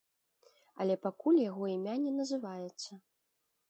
Але пакуль яго імя не называецца.